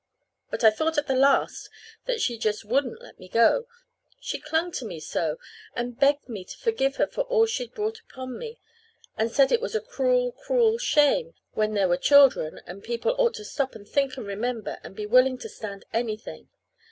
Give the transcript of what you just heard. But I thought at the last that she just wouldn't let me go, she clung to me so, and begged me to forgive her for all she'd brought upon me; and said it was a cruel, cruel shame, when there were children, and people ought to stop and think and remember, and be willing to stand anything.